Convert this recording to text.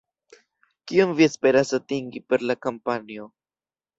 Kion vi esperas atingi per la kampanjo?